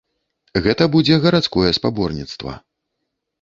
Гэта будзе гарадское спаборніцтва.